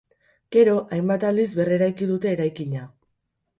Gero, hainbat aldiz berreraiki dute eraikina.